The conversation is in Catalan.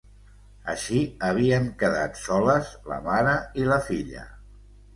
Així havien quedat soles la mare i la filla.